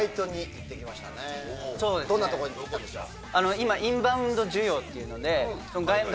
どんなとこに行ってきたんでしょう？